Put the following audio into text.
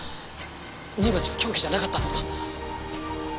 乳鉢は凶器じゃなかったんですか！？